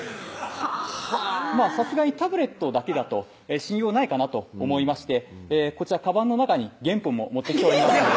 さすがにタブレットだけだと信用ないかなと思いまして「こちらかばんの中に原本も持ってきておりますので」